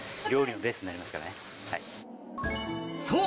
そう！